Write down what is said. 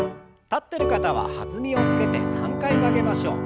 立ってる方は弾みをつけて３回曲げましょう。